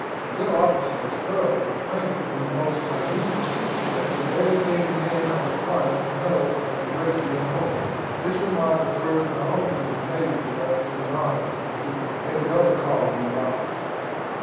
A good officer is thoroughly acquainted in the most minute particular with everything men are required to know, and a great deal more. This remark refers not only to the Navy, but to the Army, and to every other calling in life.